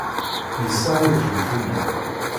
Yessaɣ udfel fell-i.